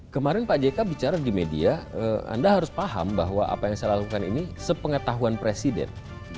kemarin pak jk bicara di media anda harus paham bahwa apa yang saya lakukan ini sepengetahuan presiden